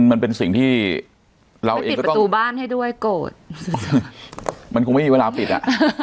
มันเป็นสิ่งที่ไม่ปิดประตูบ้านให้ด้วยโกรธมันคงไม่มีเวลาปิดอ่ะ